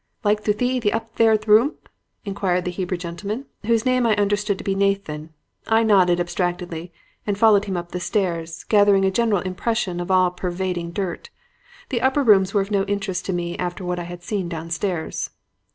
"'Like to thee the upstairth roomth?' inquired the Hebrew gentleman, whose name I understood to be Nathan. I nodded abstractedly and followed him up the stairs, gathering a general impression of all pervading dirt. The upper rooms were of no interest to me after what I had seen downstairs.